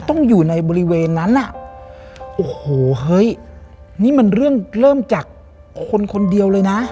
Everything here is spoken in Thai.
ต้องอยู่ในบริเวณนั้นอ่ะโอ้โหเฮ้ยนี่มันเรื่องเริ่มจากคนคนเดียวเลยนะ